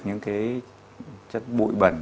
những cái chất bụi bẩn